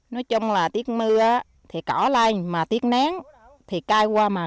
nói chung là tiếc mưa thì cỏ lên mà tiếc nén thì cây qua mà khó